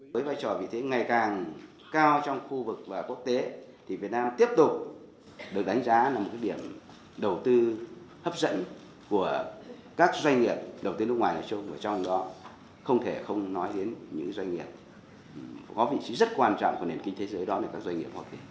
với vai trò vị thế ngày càng cao trong khu vực và quốc tế việt nam tiếp tục được đánh giá là một điểm đầu tư hấp dẫn của các doanh nghiệp đầu tư nước ngoài